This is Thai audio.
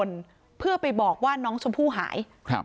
แล้วก็ไปบอกว่าน้องชมพู่หาย